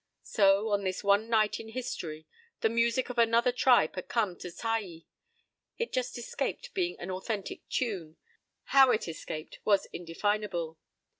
So, on this one night in history, the music of another tribe had come to Taai. It just escaped being an authentic "tune." How it escaped was indefinable.